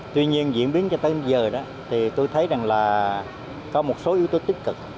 tuy nhiên diễn biến cho tới giờ đó thì tôi thấy rằng là có một số yếu tố tích cực